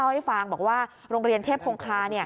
เล่าให้ฟังว่าโรงเรียนเทพโครงคลา